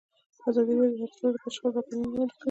ازادي راډیو د ترانسپورټ په اړه د شخړو راپورونه وړاندې کړي.